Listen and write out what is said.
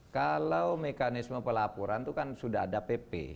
kalau mekanisme pelaporan itu kan sudah ada pp